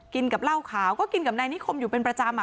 กินกับเหล้าขาวก็กินกับนายนิคมอยู่เป็นประจำ